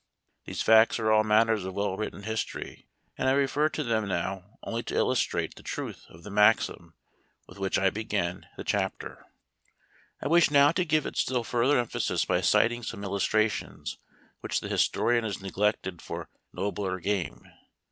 These facts are all matters of well written history, and I refer to them now only to illustrate the truth of the maxim with which I began the chapter. 272 HAED TACK AND COFFEE. I wish now to give it still further emphasis by citing some illustrations which the historian has neglected, for "nobler game."